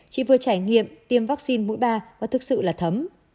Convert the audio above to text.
chị vừa trải nghiệm tiêm vaccine mũi ba và thực sự là thấm